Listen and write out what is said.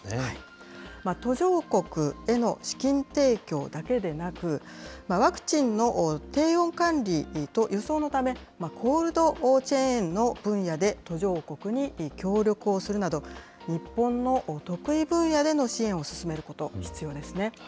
途上国への資金提供だけでなく、ワクチンの低温管理と輸送のため、コールドチェーンの分野で途上国に協力をするなど、日本の得意分野での支援を進めること、必要ですね。